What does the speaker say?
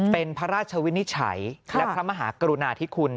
เป็นพระราชวินิจฉัยและพระมหากรุณาธิคุณ